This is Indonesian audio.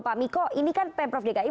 pak miko ini kan pemprov dki